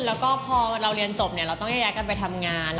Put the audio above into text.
แล้วก็พอเราเรียนจบเราต้องแยกกันไปทำงาน